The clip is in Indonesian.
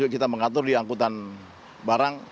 kita mengatur di angkutan barang